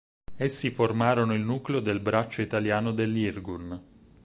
Essi formarono il nucleo del braccio italiano dell'Irgun.